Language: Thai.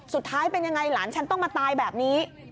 สุดท้ายเป็นยังไงหลานฉันต้องมาตายแบบนี้